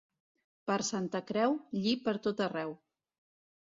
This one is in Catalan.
Per Santa Creu, lli per tot arreu.